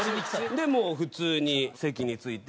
でもう普通に席に着いて。